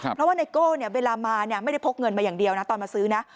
เพราะว่าไนโก้เวลามาไม่ได้พกเงินมาอย่างเดียวนะตอนมาซื้อนะ